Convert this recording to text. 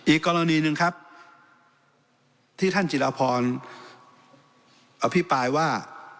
อีกกรณีหนึ่งครับที่ท่านจิรพรอภิปรายว่า